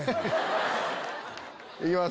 行きます。